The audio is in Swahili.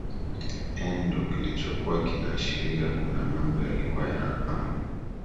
endo kilichokuwa kinaashiria kuna mambo yalikuwa wanapangwa